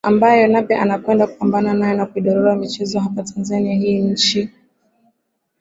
ambayo Nape anakwenda kupambana nayo ni kudorora kwa michezo hapa Tanzania Hii ni nchi